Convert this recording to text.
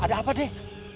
ada apa dek